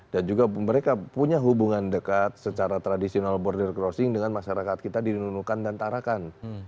dan juga mereka punya hubungan dekat secara tradisional border crossing dengan masyarakat kita di nunukan dan tarakan